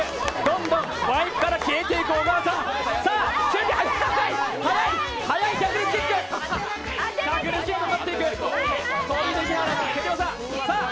どんどんワイプから消えていく小川さん。